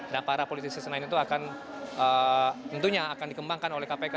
dan para politisi senain itu akan tentunya akan dikembangkan oleh kpk